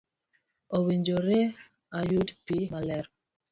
owinjore ayud pi maler.